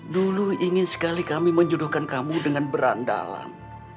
dulu ingin sekali kami menjuduhkan kamu dengan berandalan